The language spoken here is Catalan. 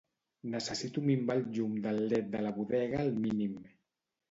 Necessito minvar el llum de led de la bodega al mínim.